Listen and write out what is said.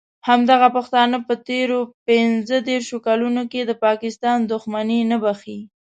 همدغه پښتانه په تېرو پینځه دیرشو کالونو کې د پاکستان دښمني نه بښي.